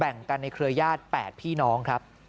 แบ่งกันในเครือยาติ๘พี่น้อง